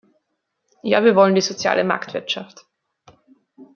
Ja, wir wollen die soziale Marktwirtschaft!